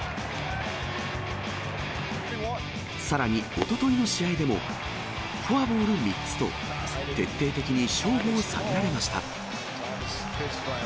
さらにおとといの試合でも、フォアボール３つと、徹底的に勝負を避けられました。